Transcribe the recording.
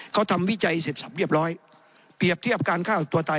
เขาทำวิจัยเสร็จสำเรียบร้อย